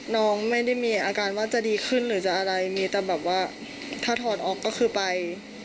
น้องไม่ได้มีอาการว่าจะดีขึ้นหรือจะอะไรมีแต่แบบว่าถ้าถอดออกก็คือไป